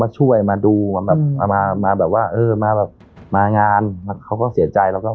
ช่วยมาดูมาแบบมามาแบบว่าเออมาแบบมางานเขาก็เสียใจแล้วก็